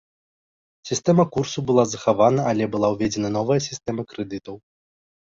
Сістэма курсу была захавана, але была ўведзена новая сістэма крэдытаў.